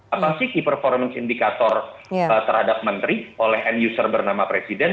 apa sih key performance indicator terhadap menteri oleh end user bernama presiden